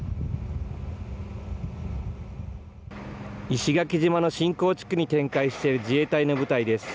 石垣島の新港地区に展開している自衛隊の部隊です。